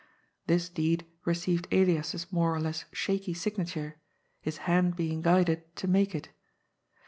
This deed received Elias's more or less shaky signature, his hand being guided to make it.